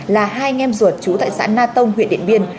là hai anh em ruột trú tại xã na tông huyện điện biên